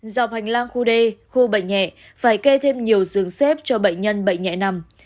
dọc hành lang khu đê khu bệnh nhẹ phải kê thêm nhiều giường xếp cho bệnh nhân bệnh nhẹ nằm